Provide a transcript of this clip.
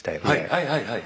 はいはいはい。